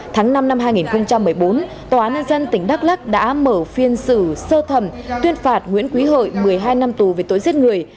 tháng năm năm hai nghìn một mươi bốn tòa án nhân dân tỉnh đắk lắc đã mở phiên xử sơ thẩm tuyên phạt nguyễn quý hội một mươi hai năm tù về tội giết người